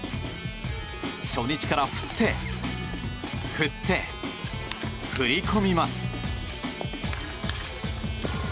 初日から振って、振って、振り込みます。